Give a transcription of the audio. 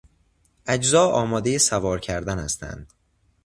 اجزا آمادهی سوار کردن هستند.